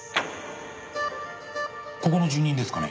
ここの住人ですかね？